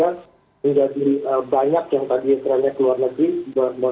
bahkan indonesia juga menjadi banyak yang tadi trennya keluar negeri